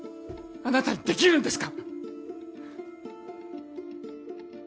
あなたにできるんですか？